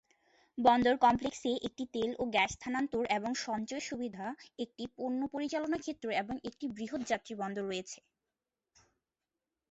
বন্দর কমপ্লেক্সে একটি তেল ও গ্যাস স্থানান্তর এবং সঞ্চয় সুবিধা, একটি পণ্য-পরিচালনা ক্ষেত্র এবং একটি বৃহত যাত্রী বন্দর রয়েছে।